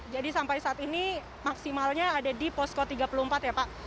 jadi sampai saat ini maksimalnya ada di posko tiga puluh empat ya pak